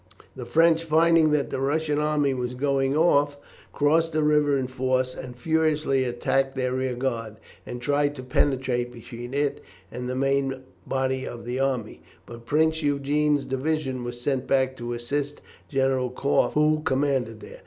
The French, finding that the Russian army was going off, crossed the river in force and furiously attacked their rear guard, and tried to penetrate between it and the main body of the army, but Prince Eugene's division was sent back to assist General Korf, who commanded there.